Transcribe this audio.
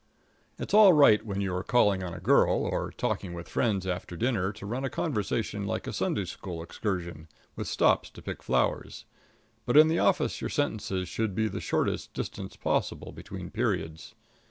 It's all right when you are calling on a girl or talking with friends after dinner to run a conversation like a Sunday school excursion, with stops to pick flowers; but in the office your sentences should be the shortest distance possible between periods.